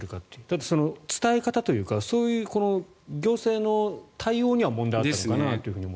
ただ、伝え方というかそういう行政の対応には問題があったのかなと思います。